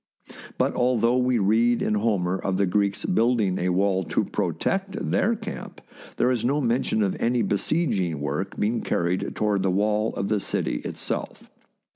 But although we read in Homer of the Greeks building a wall to protect their camp, there is no mention of any besieging work being carried toward the wall of the city itself.